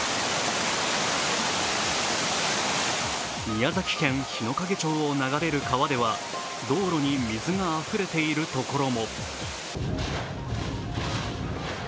宮崎県日之影町を流れる川では道路に水があふれているところも。